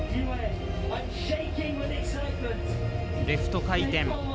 レフト回転。